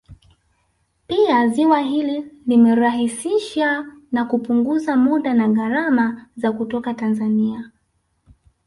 Pia ziwa hili limerahisishsa na kupunguza muda na gharama za kutoka Tanzania